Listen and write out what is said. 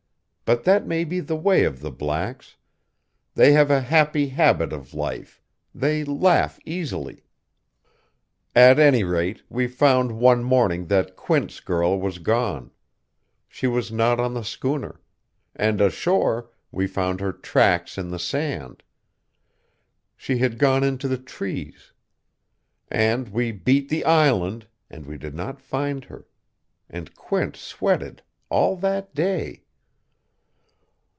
But that may be the way of the blacks. They have a happy habit of life; they laugh easily.... "At any rate, we found one morning that Quint's girl was gone. She was not on the schooner; and ashore, we found her tracks in the sand. She had gone into the trees. And we beat the island, and we did not find her. And Quint sweated. All that day.